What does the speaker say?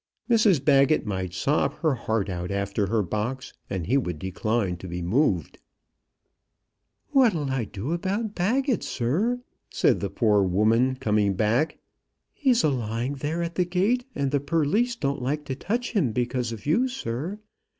Mrs Baggett might sob her heart out after her box, and he would decline to be moved. "What'll I do about Baggett, sir?" said the poor woman, coming back. "He's a lying there at the gate, and the perlice doesn't like to touch him because of you, sir.